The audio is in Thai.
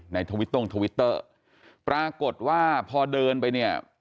ทวิตตรงทวิตเตอร์ปรากฏว่าพอเดินไปเนี่ย